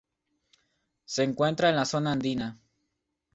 Se encuentra en la Zona Andina.